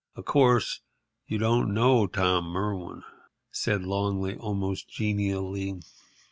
"Of course, you don't know Tom Merwin," said Longley, almost genially.